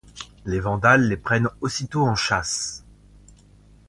Les Vandales les prennent aussitôt en chasse.